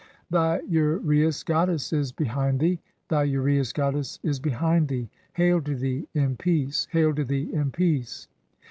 Thy uraeus goddess is behind "thee ; thv uraeus goddess is behind thee. Hail to thee, in peace ; "hail to thee, in peace.